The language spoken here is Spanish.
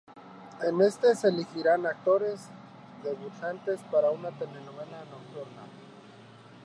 En este, se elegirían actores debutantes para una telenovela nocturna.